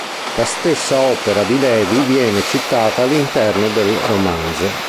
La stessa opera di Levi viene citata all'interno del romanzo.